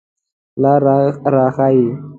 لار را ښایئ